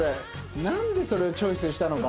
なんでそれをチョイスしたのかな？